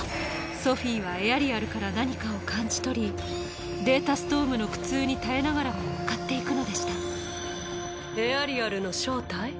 ソフィはエアリアルから何かを感じ取りデータストームの苦痛に耐えながらも向かっていくのでしたエアリアルの正体？